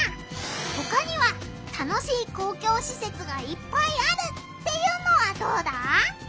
ほかには楽しい公共しせつがいっぱいあるっていうのはどうだ？